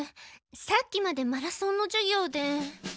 さっきまでマラソンの授業で。